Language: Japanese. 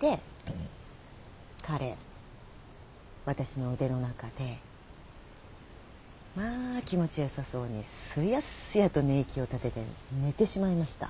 で彼私の腕の中でまあ気持ちよさそうにすやすやと寝息を立てて寝てしまいました。